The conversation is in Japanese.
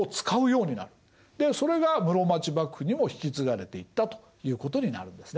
でそれが室町幕府にも引き継がれていったということになるんですね。